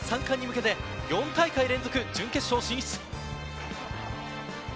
高校３冠に向けて４大会連続で準決勝進出。